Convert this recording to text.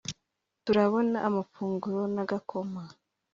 turabona amafunguro n’agakoma